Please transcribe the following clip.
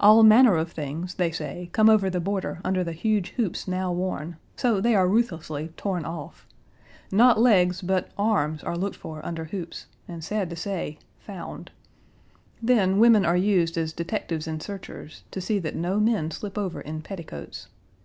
All manner of things, they say, come over the border under the huge hoops now worn; so they are ruthlessly torn off. Not legs but arms are looked Page 118 for under hoops, and, sad to say, found. Then women are used as detectives and searchers, to see that no men slip over in petticoats.